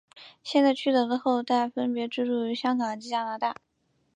现在区德的后代分别居住于香港及加拿大。